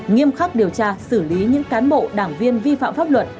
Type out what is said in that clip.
nghiêm khắc điều tra xử lý những cán bộ đảng viên vi phạm pháp luật